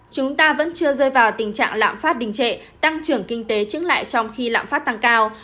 chúng ta vẫn chưa rơi vào tình trạng lạm phát đình trệ tăng trưởng kinh tế chứng lại trong khi lạm phát tăng cao